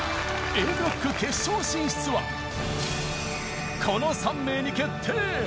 Ａブロック決勝進出はこの３名に決定！